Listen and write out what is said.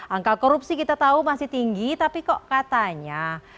angka korupsi kita tahu masih tinggi tapi kok katanya